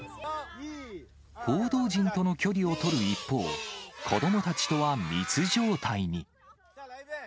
報道陣との距離を取る一方、子どもたちとは密状態に。